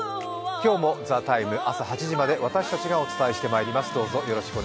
今日も「ＴＨＥＴＩＭＥ，」朝８時まで私たちがお伝えしていきます。